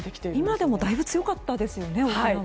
今でもだいぶ強かったですね、沖縄は。